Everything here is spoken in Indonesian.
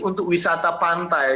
untuk wisata pantai